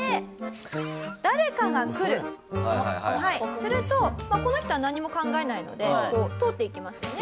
するとまあこの人はなんにも考えないのでこう通っていきますよね。